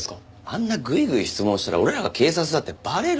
あんなぐいぐい質問したら俺らが警察だってバレるから。